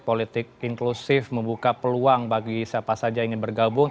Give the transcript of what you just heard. politik inklusif membuka peluang bagi siapa saja ingin bergabung